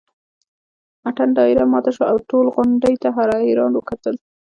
اتڼ دایره ماته شوه او ټولو غونډۍ ته حیران وکتل.